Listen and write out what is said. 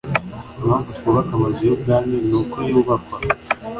Impamvu twubaka Amazu y Ubwami n uko yubakwa